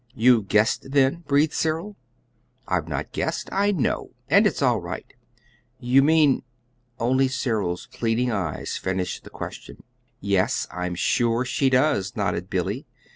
"You've guessed, then!" breathed Cyril. "I've not guessed I know. And it's all right." "You mean ?" Only Cyril's pleading eyes finished the question. "Yes, I'm sure she does," nodded Billy.